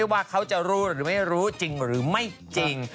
ว่าเขาจะรู้หรือไม่รู้จริงหรือไม่จริง